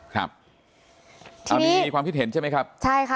ครับอ่ามีความคิดเห็นใช่ไหมครับใช่ค่ะ